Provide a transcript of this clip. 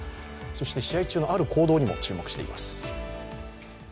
そして試合中のある行動にも注目しています。